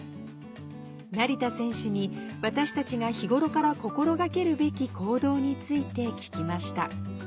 成田選手に私たちが日頃から心がけるべき行動について聞きました